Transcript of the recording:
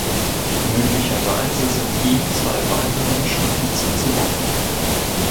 Möglicherweise sind ihm zwei weitere Inschriften zuzuordnen.